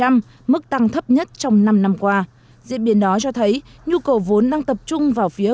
mức tăng thấp nhất trong năm năm qua diễn biến đó cho thấy nhu cầu vốn đang tập trung vào phía